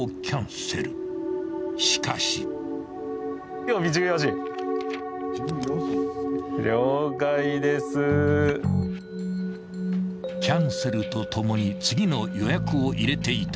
［しかし］［キャンセルとともに次の予約を入れていた］